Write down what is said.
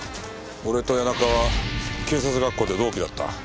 俺と谷中は警察学校で同期だった。